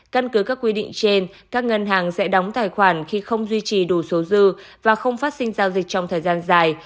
căn cứ các quy định trên các ngân hàng sẽ đóng tài khoản khi không duy trì đủ số dư và không phát sinh giao dịch trong thời gian dài